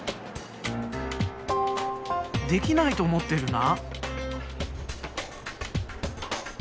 できないと思ってるな。